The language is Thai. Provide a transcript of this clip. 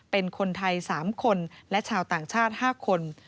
เป็นคนไทย๓คนและชาวต่างชาติ๕คน